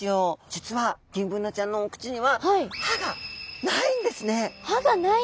実はギンブナちゃんのお口には歯がない。